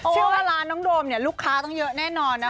ชื่อว่าร้านน้องโดมเนี่ยลูกค้าต้องเยอะแน่นอนนะคะ